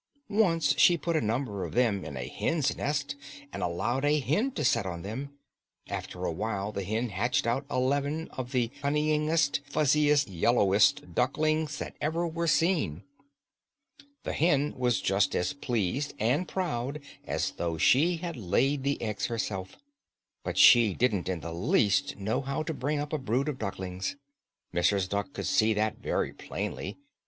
Once she put a number of them in a hen's nest, and allowed a hen to set on them. After a while the hen hatched out eleven of the cunningest, fuzziest, yellowest ducklings that ever were seen. The hen was just as pleased and proud as though she had laid the eggs herself. But she didn't in the least know how to bring up a brood of ducklings. Mrs. Duck could see that very plainly.